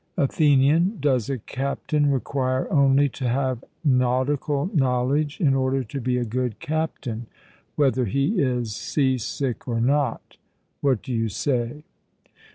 ATHENIAN: Does a captain require only to have nautical knowledge in order to be a good captain, whether he is sea sick or not? What do you say?